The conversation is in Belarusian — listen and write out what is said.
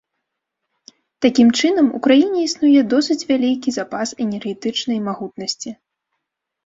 Такім чынам, у краіне існуе досыць вялікі запас энергетычнай магутнасці.